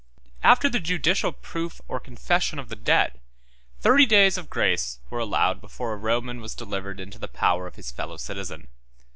178 1781 After the judicial proof or confession of the debt, thirty days of grace were allowed before a Roman was delivered into the power of his fellow citizen.